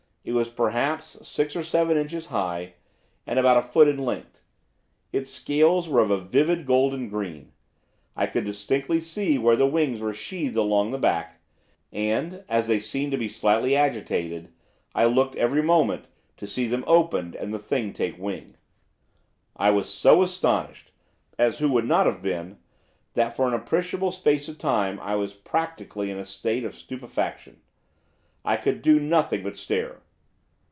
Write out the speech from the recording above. It was, perhaps, six or seven inches high, and about a foot in length. Its scales were of a vivid golden green. I could distinctly see where the wings were sheathed along the back, and, as they seemed to be slightly agitated, I looked, every moment, to see them opened, and the thing take wing. I was so astonished, as who would not have been? that for an appreciable space of time I was practically in a state of stupefaction. I could do nothing but stare.